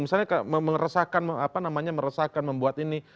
misalnya mengeresahkan apa namanya meresahkan membuat ini